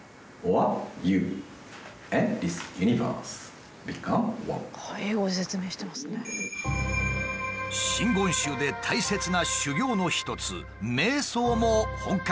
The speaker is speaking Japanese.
真言宗で大切な修行の一つめい想も本格的に体験できる。